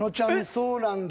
そうなんだ。